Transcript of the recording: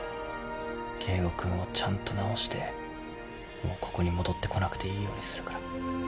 圭吾君をちゃんと治してもうここに戻ってこなくていいようにするから。